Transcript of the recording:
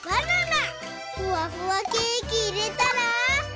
ふわふわケーキいれたら。